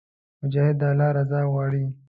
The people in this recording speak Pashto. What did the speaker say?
مجاهد د الله رضا غواړي.